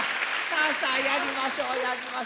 さあさあやりましょうやりましょう。